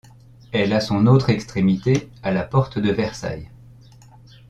Elle a son autre extrémité à la porte de Versailles.